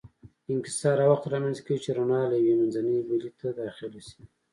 انکسار هغه وخت رامنځته کېږي چې رڼا له یوې منځنۍ بلې ته داخله شي.